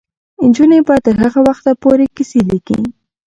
نجونې به تر هغه وخته پورې کیسې لیکي.